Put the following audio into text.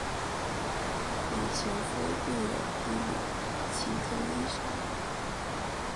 与前夫育有一女齐藤依纱。